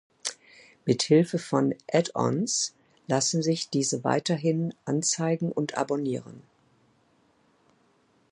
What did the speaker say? Mit Hilfe von Add-ons lassen sich diese weiterhin anzeigen und abonnieren.